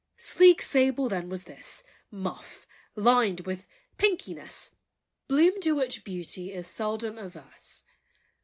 Sleek sable then was this Muff, lined with pinkiness, Bloom to which beauty is Seldom averse.